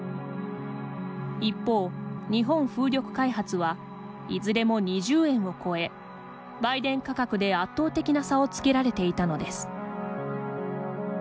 一方、日本風力開発はいずれも２０円を超え売電価格で圧倒的な差をつけられていたのです。